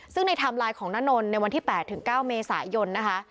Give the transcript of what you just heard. ซึ่งในไทม์ไลน์ของน้านนท์ในวันที่๘ถึง๙เมษายนนะคะ